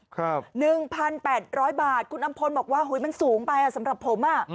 ครับคุณอำพลบอกว่า๑๘๐๐บาทมันสูงไปสำหรับผม